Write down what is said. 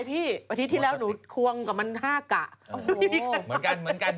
อาทิตย์ที่แล้วหนูควงกับมัน๕กะเหมือนกันเหมือนกัน